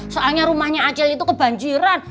soalnya rumahnya acel itu kebanjiran